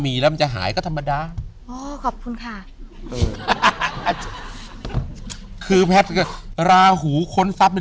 ที่เราอย่างเดียวกันนี้